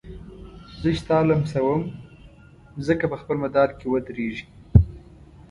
زه چي تا لمسوم مځکه په خپل مدار کي ودريږي